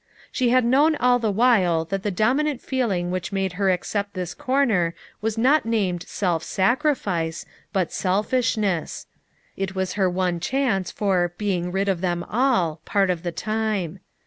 She had known all the while that the dominant feeling which made her accept this corner was not named self sacrifice, but selfishness. It was her one chance for " being rid of them all," part of the time.